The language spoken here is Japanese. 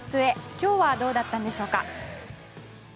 今日はどうだったんでしょうか。